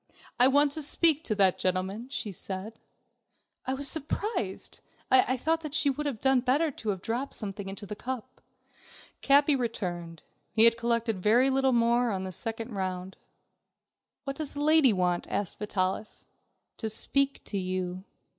"I want to speak to that gentleman," she said. I was surprised, I thought she would have done better to have dropped something into the cup. Capi returned. He had collected very little more on this second round. "What does the lady want?" asked Vitalis. "To speak to you."